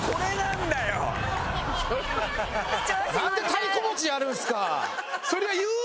なんで太鼓持ちやるんすか！